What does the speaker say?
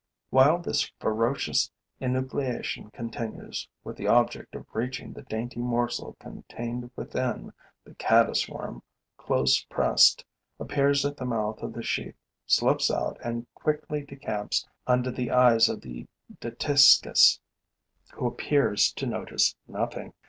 While this ferocious enucleation continues with the object of reaching the dainty morsel contained within, the caddis worm, close pressed, appears at the mouth of the sheath, slips out and quickly decamps under the eyes of the Dytiscus, who appears to notice nothing.